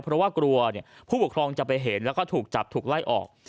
เพราะว่ากลัวผู้ปกครองจะไปเห็นแล้วก็ถูกจับถูกไล่ออก